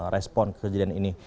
respon ke kejadian ini